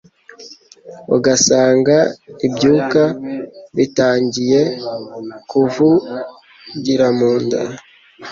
ugasanga ibyuka bitangiye kutuvugira mu nda.